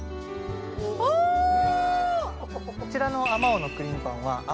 こちらのあまおうのくりーむパンはあ